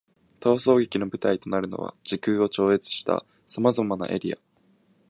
逃走劇の舞台となるのは、時空を超越した様々なエリア。